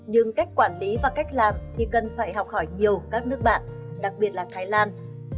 nhưng cách quản lý và cách làm thì cần phải học hỏi nhiều các nước bạn đặc biệt là thái lan